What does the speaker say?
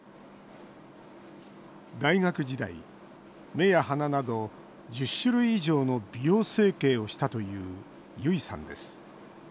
大学時代、目や鼻など１０種類以上の美容整形をしたというゆいさんです。